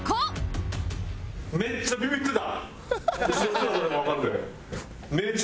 めちゃめちゃビビってた。